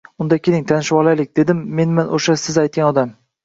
— Unda keling, tanishvolaylik, — dedim. — Menman o’sha siz aytgan odam!..»